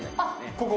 ここ？